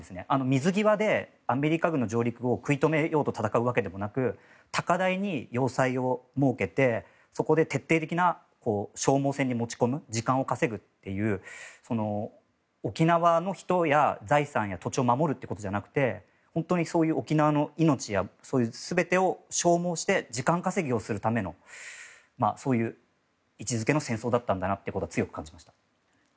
水際でアメリカ軍の上陸を食い止めようと戦うわけではなく高台に要塞を設けてそこで徹底的な消耗戦に持ち込む時間を稼ぐという沖縄の人や財産や土地を守るってことじゃなくて本当にそういう沖縄の命や全てを消耗して、時間稼ぎをするためのそういう位置づけの戦争だったんだなと強く感じました。